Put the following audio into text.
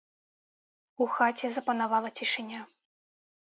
У хаце запанавала цішыня.